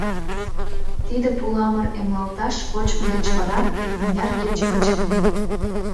— Тиде пуламыр эмлалташ вочмо деч вара, икмыняр кече гыч, лийын.